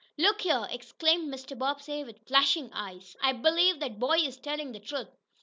"Look here!" exclaimed Mr. Bobbsey with flashing eyes. "I believe that boy is telling the truth!"